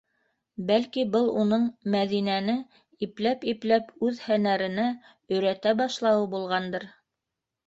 Бәлки был уның Мәҙинәне ипләп- ипләп үҙ һәнәренә өйрәтә башлауы булғандыр?